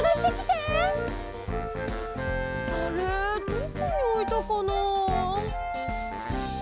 どこにおいたかなあ。